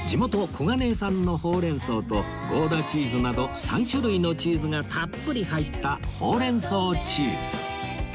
小金井産のほうれん草とゴーダチーズなど３種類のチーズがたっぷり入ったほうれん草チーズ